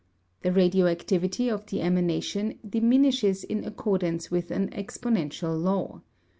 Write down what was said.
The radioactivity of the emanation diminishes in accordance with an exponential law.